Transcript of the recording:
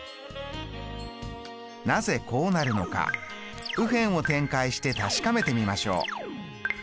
なぜこうなるのか右辺を展開して確かめてみましょう。